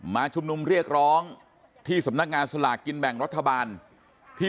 มาชุมนุมเรียกร้องที่สำนักงานสลากกินแบ่งรัฐบาลที่